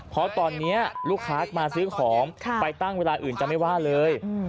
เพราะตอนนี้ลูกค้ามาซื้อของไปตั้งเวลาอื่นจะไม่ว่าเลย